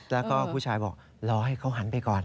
แล้วก็ผู้ชายบอกรอให้เขาหันไปก่อน